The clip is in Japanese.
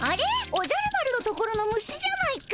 おじゃる丸のところの虫じゃないか。